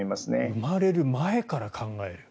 生まれる前から考える。